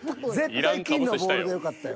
絶対金のボールでよかったよ。